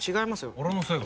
俺のせいか？